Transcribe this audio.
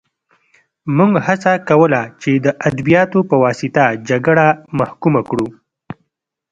موږ هڅه کوله چې د ادبیاتو په واسطه جګړه محکومه کړو